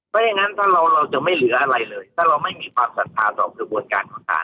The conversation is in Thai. เพราะฉะนั้นถ้าเราเราจะไม่เหลืออะไรเลยถ้าเราไม่มีความศรัทธาต่อกระบวนการของศาล